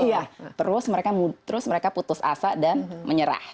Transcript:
iya terus mereka putus asa dan menyerah